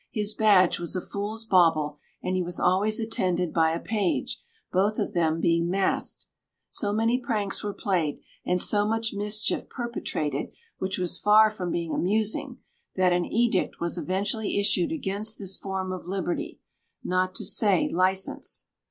His badge was a fool's bauble and he was always attended by a page, both of them being masked. So many pranks were played, and so much mischief perpetrated which was far from being amusing, that an edict was eventually issued against this form of liberty, not to say license.